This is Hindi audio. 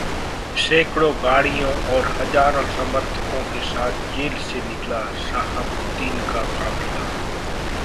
सैंकडो गाड़ियों और हजारों समर्थकों के साथ जेल से निकला शाहबुद्दीन का काफिला